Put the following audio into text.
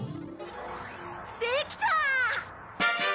できた！